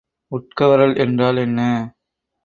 உட்கவரல் என்றால் என்ன?